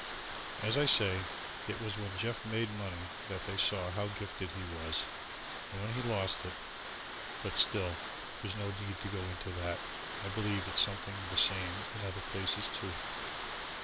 As I say, it was when Jeff made money that they saw how gifted he was, and when he lost it, but still, there's no need to go into that. I believe it's something the same in other places too.